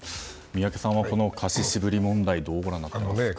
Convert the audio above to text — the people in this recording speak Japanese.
宮家さんは貸し渋り問題はどうご覧になってますか。